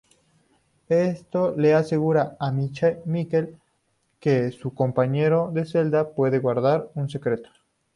Esto le asegura a Michael que su compañero de celda puede guardar un secreto.